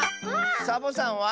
サボさんは？